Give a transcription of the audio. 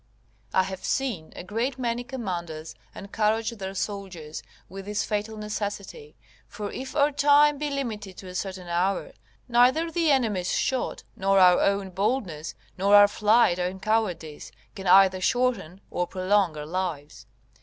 I have seen a great many commanders encourage their soldiers with this fatal necessity; for if our time be limited to a certain hour, neither the enemies' shot nor our own boldness, nor our flight and cowardice, can either shorten or prolong our lives.